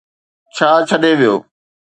ڇا ڇڏي ويو.